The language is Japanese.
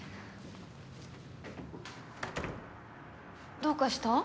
どうかした？